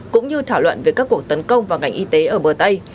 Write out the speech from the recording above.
cũng như thảo luận về các cuộc tấn công vào ngành y tế ở bờ tây